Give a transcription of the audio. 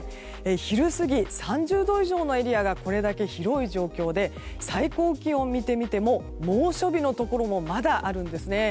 昼過ぎ、３０度以上のエリアがこれだけ広い状況で最高気温を見てみても猛暑日もまだあるんですね。